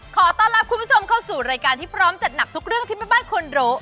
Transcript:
ขอต้อนรับคุณผู้ชมเข้าสู่รายการที่พร้อมจัดหนักทุกเรื่องที่แม่บ้านควรรู้